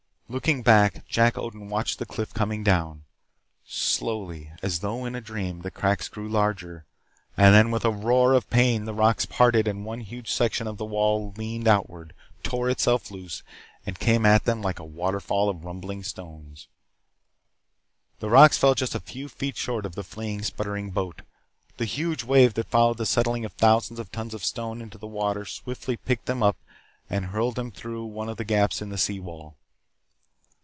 Looking back, Jack Odin watched the cliff coming down. Slowly, as though in a dream, the cracks grew larger and then with a roar of pain the rocks parted and one huge section of the wall leaned outward, tore itself loose, and came at them like a waterfall of rumbling stones. The rocks fell just a few feet short of the fleeing, sputtering boat. The huge wave that followed the settling of thousands of tons of stone into the water swiftly picked them up and hurled them through one of the gaps in the sea wall.